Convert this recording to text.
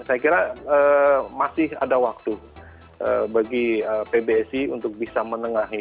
saya kira masih ada waktu bagi pbsi untuk bisa menengahi